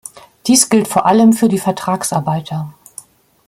Dies gilt vor allem für die Vertragsarbeiter.